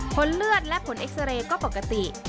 ผลเลือดและผลเอ็กซาเรย์ก็ปกติ